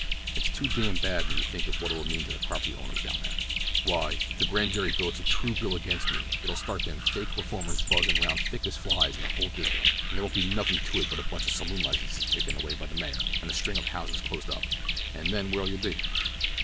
"It's too damn bad when you think of what it'll mean to the property owners down there. Why, if the grand jury votes a true bill against me it'll start them fake reformers buzzin' around thick as flies in the whole district, and there won't be nothin' to it but a bunch of saloon licenses taken away by the mayor, and a string of houses closed up; and then where'll you be?